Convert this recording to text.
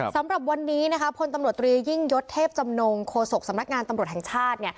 สำหรับวันนี้พลตำรวจตรียิ่งยศเทพจำนงโฆษกสำนักงานตำรวจแห่งชาติ